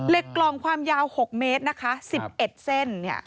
เหล็กกล่องความยาว๖เมตรสิบเอ็ดเส้น